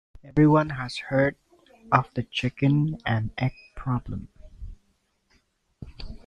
Everyone has heard of the chicken and egg problem.